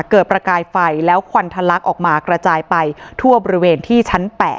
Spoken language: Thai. ประกายไฟแล้วควันทะลักออกมากระจายไปทั่วบริเวณที่ชั้น๘